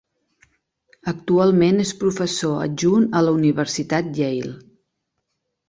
Actualment és professor adjunt a la Universitat Yale.